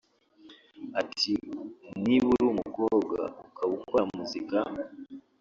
Ati “Niba uri umukobwa ukaba ukora muzika